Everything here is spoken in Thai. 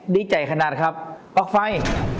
ดีใจขนาดครับปลั๊กไฟ